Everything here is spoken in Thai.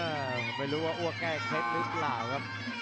ไม่รู้ว่าอ้วกแก้เคล็ดหรือเปล่าครับ